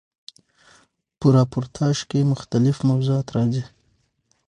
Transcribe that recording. په راپورتاژ کښي مختلیف موضوعات راځي.